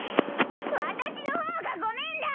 私のほうがごめんだ！